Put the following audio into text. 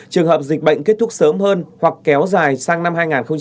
trường hợp dịch bệnh kết thúc sớm hơn hoặc kéo dài sang năm hai nghìn hai mươi